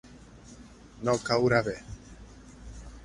No caure bé.